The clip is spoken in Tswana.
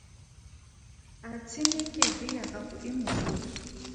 A tshenekegi ya gago e mosola?